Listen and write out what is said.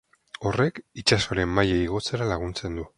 Horrek itsasoaren maila igotzera laguntzen du.